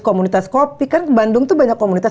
komunitas kopi kan bandung tuh banyak komunitas